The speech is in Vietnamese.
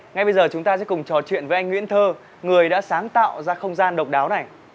ngay bây giờ chúng ta sẽ cùng trò chuyện với anh nguyễn thơ người đã sáng tạo ra không gian độc đáo này